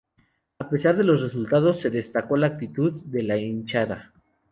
A pesar de los resultados, se destacó la actitud de la hinchada.